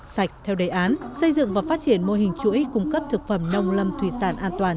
sạch theo đề án xây dựng và phát triển mô hình chuỗi cung cấp thực phẩm nông lâm thủy sản an toàn